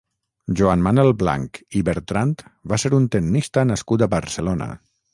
Joan Manel Blanc i Bertrand va ser un tennista nascut a Barcelona.